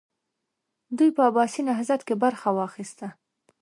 دوی په عباسي نهضت کې برخه واخیسته.